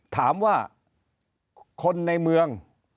ถามว่าคนในเมือง